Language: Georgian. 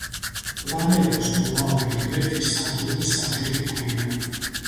პლანეტას რომაული ღმერთი სატურნის სახელი ჰქვია.